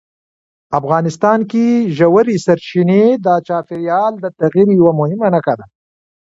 افغانستان کې ژورې سرچینې د چاپېریال د تغیر یوه مهمه نښه ده.